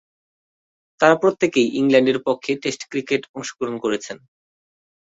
তারা প্রত্যেকেই ইংল্যান্ডের পক্ষে টেস্ট ক্রিকেটে অংশগ্রহণ করেছেন।